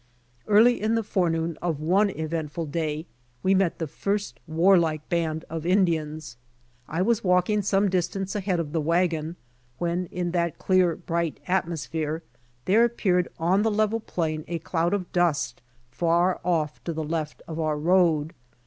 Early in the forenoon of one eventful day we mef the first war like band of Indians. I was walking some distance ahead of the wagon, when in that clear bright atmosphere there appeared on the level plain a cloud of dust far off to the left of our road.